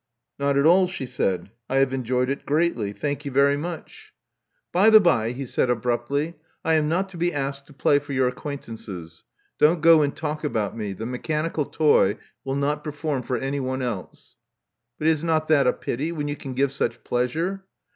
Not at all," she said. I have enjoyed it greatly. Thank you very much." Love Among the Artists 129 By the bye,*' he said abruptly, I am not to be asked to play for your acquaintances. Don't go and talk about me : the mechanical toy will not perform for anyone else. " '*But is not that a pity, when you can give such pleasure?"